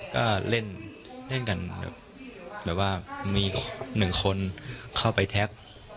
ก็เล่นกันแบบว่ามีหนึ่งคนเข้าไปแท็ก